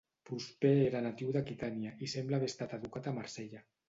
Prosper era natiu d'Aquitània, i sembla haver estat educat a Marsella.